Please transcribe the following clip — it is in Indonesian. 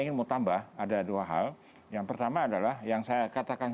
saya ingin mau tambah ada dua hal yang pertama adalah yang saya katakan